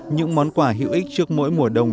những món quà hữu ích trước mỗi mùa đông